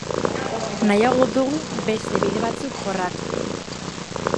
Nahiago dugu beste bide batzuk jorratu.